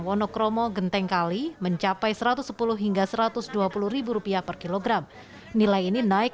wonokromo genteng kali mencapai satu ratus sepuluh hingga satu ratus dua puluh rupiah per kilogram nilai ini naik